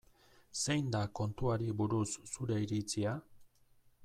Zein da kontuari buruz zure iritzia?